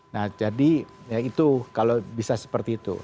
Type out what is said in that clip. nah jadi ya itu kalau bisa seperti itu